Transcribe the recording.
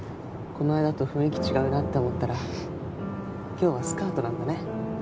この間と雰囲気違うなと思ったら今日はスカートなんだね。